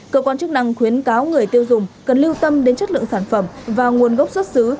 cơ quan chức năng khuyến cáo người tiêu dùng cần lưu tâm đến chất lượng sản phẩm và nguồn gốc xuất xứ